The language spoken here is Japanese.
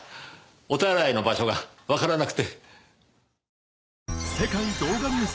お手洗いの場所がわからなくて。